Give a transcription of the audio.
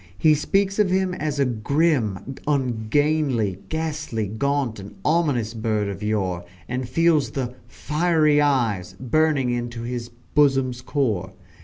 He speaks of him as a "grim, ungainly, ghastly, gaunt, and ominous bird of yore," and feels the "fiery eyes" burning into his "bosom's core."